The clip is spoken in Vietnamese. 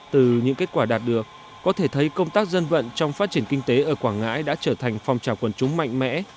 từ những kết quả đạt được có thể thấy công tác dân vận trong phát triển kinh tế ở quảng ngãi đã trở thành phong trào quần chúng mạnh mẽ